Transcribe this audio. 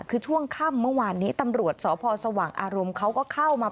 คือช่วงค่ำเมื่อวานนี้ตำรวจสพสว่างอารมณ์เขาก็เข้ามา